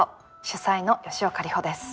主宰の吉岡里帆です。